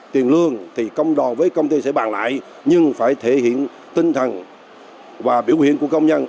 tiền lương thì công đoàn với công ty sẽ bàn lại nhưng phải thể hiện tinh thần và biểu hiện của công nhân